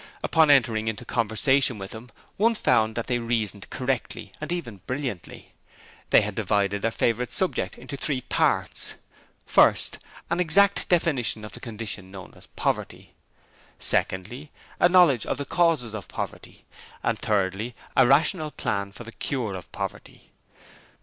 Upon entering into conversation with them one found that they reasoned correctly and even brilliantly. They had divided their favourite subject into three parts. First; an exact definition of the condition known as Poverty. Secondly; a knowledge of the causes of Poverty; and thirdly, a rational plan for the cure of Poverty.